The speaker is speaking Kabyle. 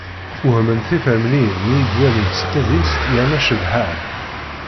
Wehment tefremliyin mi i yi-d-wallent s tadist yerna cebbḥeɣ-d.